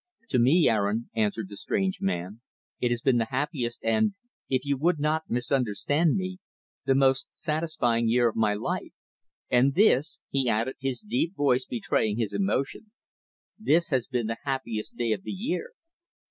"To me, Aaron," answered the strange man, "it has been the happiest and if you would not misunderstand me the most satisfying year of my life. And this" he added, his deep voice betraying his emotion "this has been the happiest day of the year.